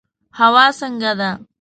هوا څنګه ده؟